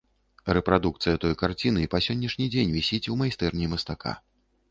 Рэпрадукцыя той карціны па сённяшні дзень вісіць у майстэрні мастака.